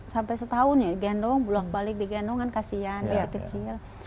sampai setahun ya di gendong bulan balik di gendong kan kasihan dia kecil